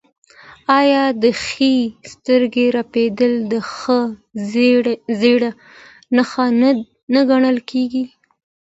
آیا د ښي سترګې رپیدل د ښه زیری نښه نه ګڼل کیږي؟